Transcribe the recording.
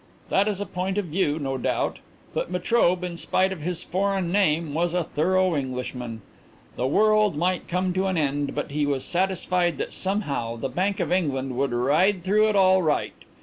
"That is a point of view, no doubt. But Metrobe, in spite of his foreign name, was a thorough Englishman. The world might come to an end, but he was satisfied that somehow the Bank of England would ride through it all right.